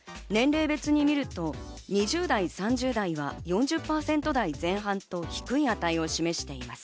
年齢別にみると２０代、３０代は４０％台前半と、低い値を示しています。